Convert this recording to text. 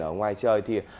ở ngoài trời thì